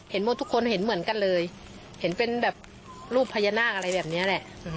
ทุกคนเห็นเหมือนกันเลยเห็นเป็นแบบรูปพญานาคอะไรแบบนี้แหละ